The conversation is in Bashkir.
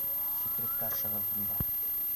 Секретаршағыҙ бында.